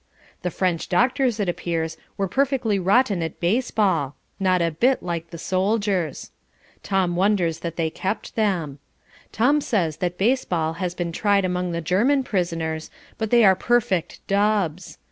The French doctors, it appears, were perfectly rotten at baseball, not a bit like the soldiers. Tom wonders that they kept them. Tom says that baseball had been tried among the German prisoners, but they are perfect dubs.